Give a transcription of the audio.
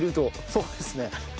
そうですね。